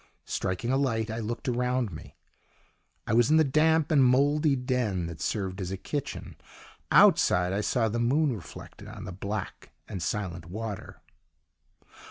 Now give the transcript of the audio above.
Striking a light, I looked around me: I was in the damp and mouldy den that served as a kitchen; outside I saw the moon reflected on the black and silent water.